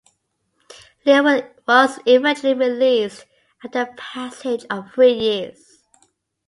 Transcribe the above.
Leo was eventually released after the passage of three years.